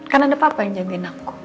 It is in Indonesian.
kan ada papa yang jagain aku